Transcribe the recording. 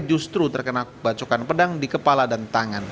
justru terkena bacokan pedang di kepala dan tangan